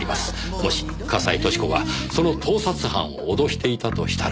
もし笠井俊子がその盗撮犯を脅していたとしたら。